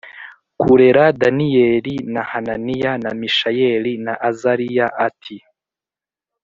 kurera Daniyeli na Hananiya, na Mishayeli na Azariya ati